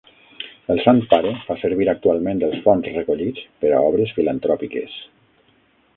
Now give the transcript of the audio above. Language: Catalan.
El Sant Pare fa servir actualment els fons recollits per a obres filantròpiques.